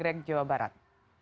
terima kasih wabarak